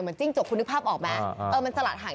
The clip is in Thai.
เสื้อใบบีส่อมสวาน